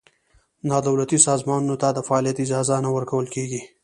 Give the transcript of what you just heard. نا دولتي سازمانونو ته د فعالیت اجازه نه ورکول کېږي.